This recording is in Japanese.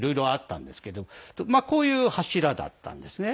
こういう柱だったんです。